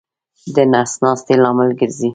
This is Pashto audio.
د نس ناستې لامل ګرځي.